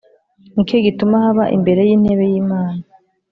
Ni cyo gituma baba imbere y’intebe y’Imana,